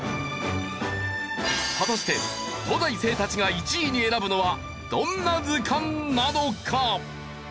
果たして東大生たちが１位に選ぶのはどんな図鑑なのか？